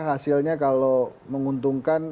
hasilnya kalau menguntungkan